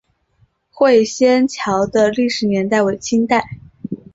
会仙桥的历史年代为清代。